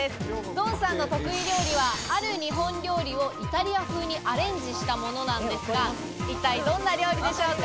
ドンさんの得意料理は、ある日本料理をイタリア風にアレンジしたものなんですが、一体どんな料理でしょうか？